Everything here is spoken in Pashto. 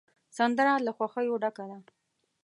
سندره له خوښیو ډکه ده